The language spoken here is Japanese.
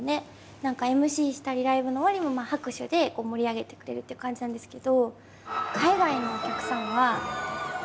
何かＭＣしたりライブの終わりも拍手で盛り上げてくれるっていう感じなんですけど。